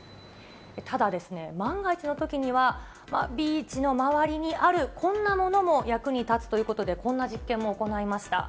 ただ、万が一のときには、ビーチの周りにあるこんなものも役に立つということで、こんな実験も行いました。